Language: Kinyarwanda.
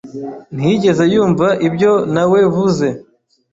ntiyigeze yumva ibyo nawevuze.